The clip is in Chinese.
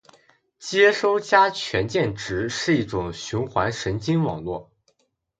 接收加权键值是一种循环神经网络